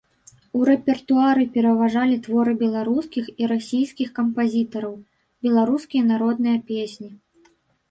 У рэпертуары пераважалі творы беларускіх і расійскіх кампазітараў, беларускія народныя песні.